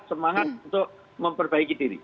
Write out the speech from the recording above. semangat untuk memperbaiki diri